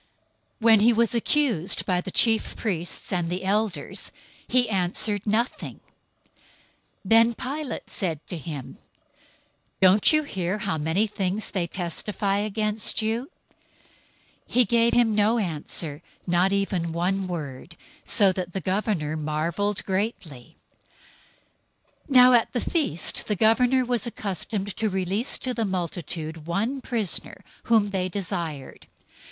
027:012 When he was accused by the chief priests and elders, he answered nothing. 027:013 Then Pilate said to him, "Don't you hear how many things they testify against you?" 027:014 He gave him no answer, not even one word, so that the governor marveled greatly. 027:015 Now at the feast the governor was accustomed to release to the multitude one prisoner, whom they desired.